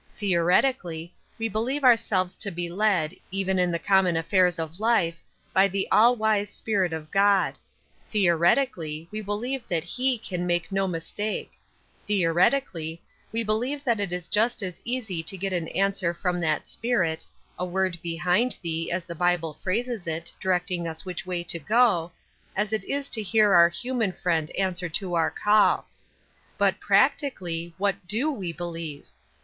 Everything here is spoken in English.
Theoreti cally, we believe ourselves to be led, even in the common affairs of life, by the All wise Spirit of God ; theoretically, we believe that S^e can make no mistake ; theoretically, we believe that 276 Ruth Erskine's Crosses, it is just as easy to get an answer from that Spirit — ''a word behind thee," as the Bible phrases it, directing us which way to go — as it is to hear our human friend answer to our call. But, practically, what do we believe